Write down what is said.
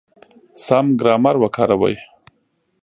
سم ګرامر وکاروئ!.